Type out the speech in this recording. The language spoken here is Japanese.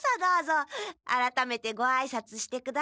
あらためてごあいさつしてください。